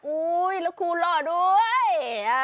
อุ๊ยแล้วครูหล่อด้วย